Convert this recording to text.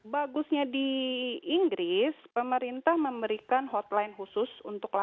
bagusnya di inggris pemerintah memberikan hotline khusus untuk kelas